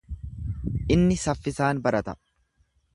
Inni saffisaan barata.